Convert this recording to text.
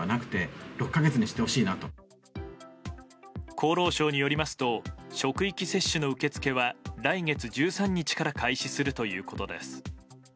厚労省によりますと職域接種の受け付けは来月１３日から開始するということです。